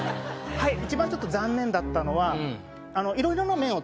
一番ちょっと残念だったのは。